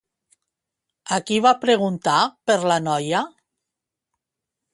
A qui va preguntar per la noia?